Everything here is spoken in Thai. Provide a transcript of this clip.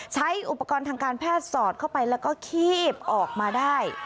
ใช้อุปกรณ์ทางการแพทย์สอดเข้าไปแล้วก็คีบออกมาได้